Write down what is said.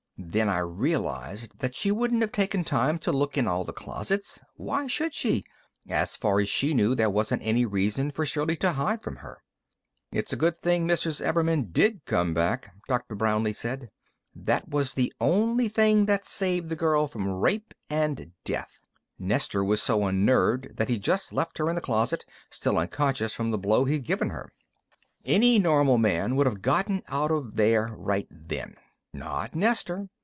Then I realized that she wouldn't have taken time to look in all the closets. Why should she? As far as she knew, there wasn't any reason for Shirley to hide from her." "It's a good thing Mrs. Ebbermann did come back." Dr. Brownlee said. "That was the only thing that saved the girl from rape and death. Nestor was so unnerved that he just left her in the closet, still unconscious from the blow he'd given her. "Any normal man would have gotten out of there right then. Not Nestor.